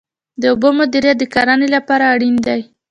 د اوبو مدیریت د کرنې لپاره اړین دی